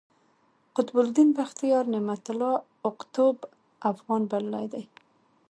قطب الدین بختیار، نعمت الله اقطب افغان بللی دﺉ.